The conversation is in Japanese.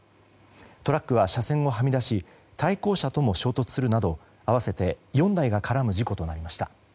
トラックは、車線をはみ出し対向車とも衝突するなど合わせて４台が絡む事故となりました。